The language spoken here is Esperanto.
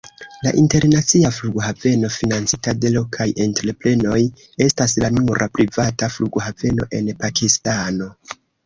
La internacia flughaveno, financita de lokaj entreprenoj, estas la nura privata flughaveno en Pakistano.